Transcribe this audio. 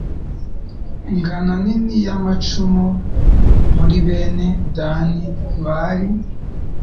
ingabo nini n amacumu muri bene dani bari